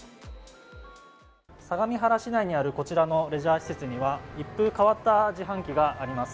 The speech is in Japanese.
相模原市内にあるこちらのレジャー施設には、一風変わった自販機があります。